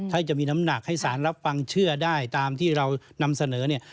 ถ้าจะมีน้ำหนักให้สารรับฟังเชื่อได้ตามที่เรานำเสนอเนี่ย